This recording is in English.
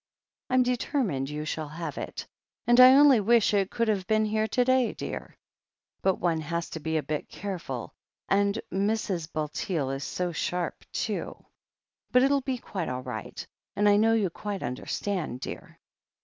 I'm determined you shall have it, and I only wish it could have been here to day, dear — ^but one has to be a bit careful, and Mrs. Bulteel is so sharp, too. But it'll be quite all right — and I know you quite understand, dear."